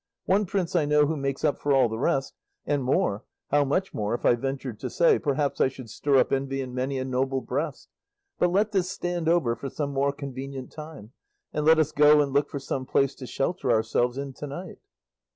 One prince I know who makes up for all the rest, and more how much more, if I ventured to say, perhaps I should stir up envy in many a noble breast; but let this stand over for some more convenient time, and let us go and look for some place to shelter ourselves in to night."